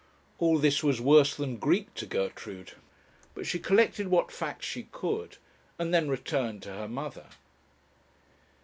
All this was worse than Greek to Gertrude; but she collected what facts she could, and then returned to her mother.